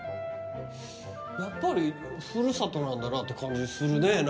やっぱりふるさとなんだなって感じするね